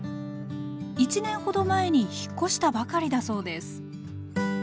１年ほど前に引っ越したばかりだそうです